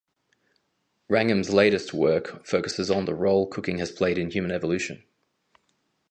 Wrangham's latest work focuses on the role cooking has played in human evolution.